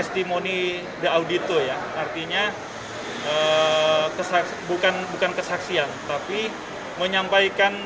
namun tidak memberikan